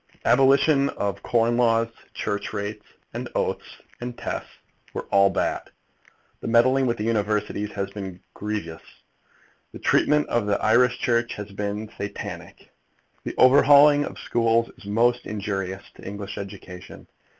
Abolition of corn laws, church rates, and oaths and tests were all bad. The meddling with the Universities has been grievous. The treatment of the Irish Church has been Satanic. The overhauling of schools is most injurious to English education.